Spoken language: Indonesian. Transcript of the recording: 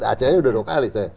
acehnya sudah dua kali saya